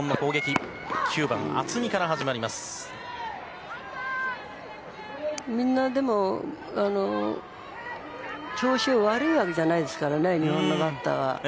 でも、みんな調子が悪いわけじゃないですから日本のバッターは。